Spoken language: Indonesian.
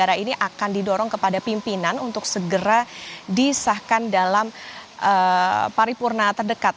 untuk saat ini ruu dan pks akan mendorong kepada pimpinan untuk segera disahkan dalam paripurna terdekat